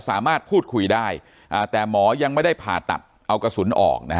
สามารถพูดคุยได้แต่หมอยังไม่ได้ผ่าตัดเอากระสุนออกนะฮะ